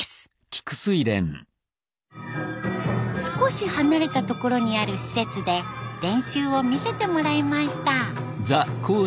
少し離れた所にある施設で練習を見せてもらいました。